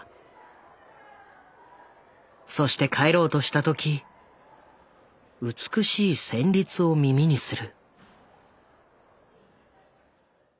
そして帰ろうとした時美しい旋律を耳にする。